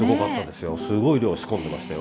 すごい量仕込んでましたよ